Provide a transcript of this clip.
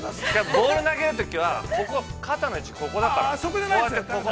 ◆ボール投げるときは、肩の位置、ここだから、ここ。